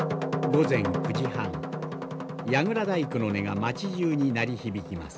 午前９時半櫓太鼓の音が町じゅうに鳴り響きます。